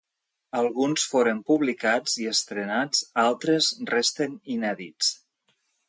Alguns foren publicats i estrenats, altres resten inèdits.